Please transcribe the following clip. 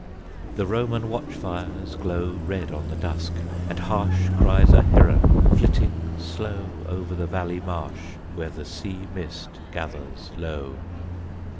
The Roman watch fires glow Red on the dusk; and harsh Cries a heron flitting slow Over the valley marsh Where the sea mist gathers low.